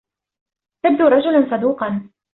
تبدو رجلًا صدوقًا.